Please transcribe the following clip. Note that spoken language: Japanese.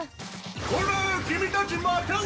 こら君たち待たんカニ！